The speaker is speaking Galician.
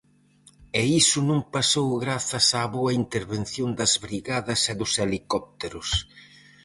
E iso non pasou grazas á boa intervención das brigadas e dos helicópteros.